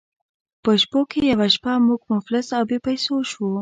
په شپو کې یوه شپه موږ مفلس او بې پیسو شوو.